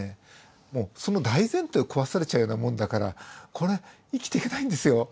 もうその大前提を壊されちゃうようなもんだからこれ生きていけないんですよ。